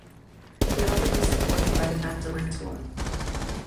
The album was supported by the Magdalene Tour.